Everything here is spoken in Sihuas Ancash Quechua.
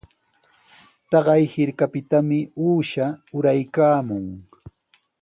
Taqay hirkapitami uusha uraykaamun.